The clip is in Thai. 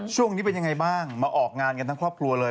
ช่วงนี้เป็นยังไงบ้างมาออกงานกันทั้งครอบครัวเลย